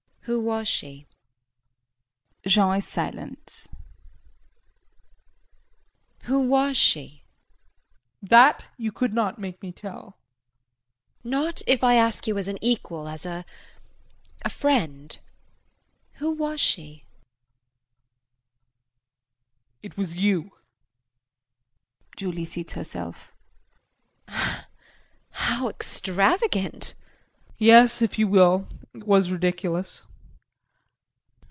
JULIE. Who was she? [Jean is silent.] Who was she? JEAN. That you could not make me tell. JULIE. Not if I ask you as an equal, as a friend? Who was she? JEAN. It was you! [Julie seats herself.] JULIE. How extravagant! JEAN. Yes, if you will, it was ridiculous.